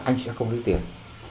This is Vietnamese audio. anh sẽ không lấy tiền